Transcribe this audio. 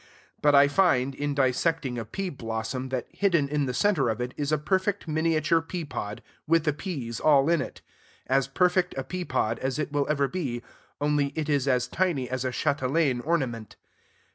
But I find, in dissecting a pea blossom, that hidden in the center of it is a perfect miniature pea pod, with the peas all in it, as perfect a pea pod as it will ever be, only it is as tiny as a chatelaine ornament.